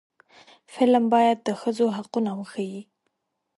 فلم باید د ښځو حقونه وښيي